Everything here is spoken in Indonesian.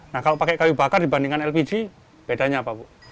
nah kalau pakai kayu bakar dibandingkan lpg bedanya apa bu